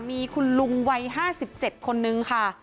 มีคุณลุงวัยห้าสิบเจ็ดคนหนึ่งค่ะ